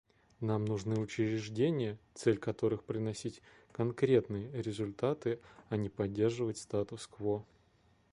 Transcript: Нам нужны учреждения, цель которых — приносить конкретные результаты, а не поддерживать статус-кво.